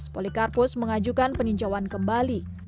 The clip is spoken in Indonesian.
polikarpus mengajukan peninjauan kembali